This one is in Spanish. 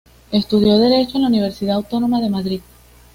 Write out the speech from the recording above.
Estudió Derecho en la Universidad Autónoma de Madrid.